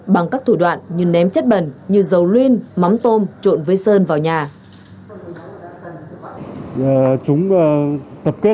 bằng các thủ đoạn như ném chất bẩn như dầu luyên mắm tôm trộn đồ